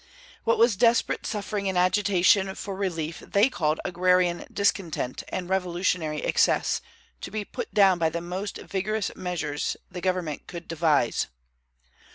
What was desperate suffering and agitation for relief they called agrarian discontent and revolutionary excess, to be put down by the most vigorous measures the government could devise.